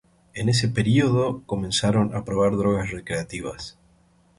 En ese período comenzaron a probar drogas recreativas.